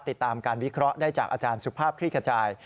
ติดตามการวิเคราะห์ได้จากอาจารย์สุภาพคลี่ขจาย